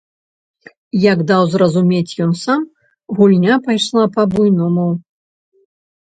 Як даў зразумець ён сам, гульня пайшла па-буйному.